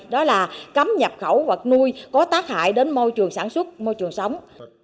đó là cấm nhập khẩu vật nuôi có tác hại đến môi trường sản xuất môi trường sống